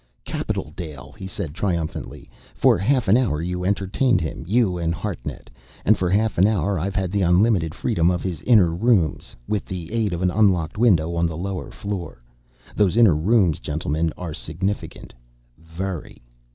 "Capital, Dale," he said triumphantly. "For half an hour you entertained him, you and Hartnett. And for half an hour I've had the unlimited freedom of his inner rooms, with the aid of an unlocked window on the lower floor. Those inner rooms, gentlemen, are significant very!"